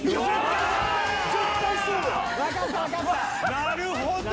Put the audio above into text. なるほど！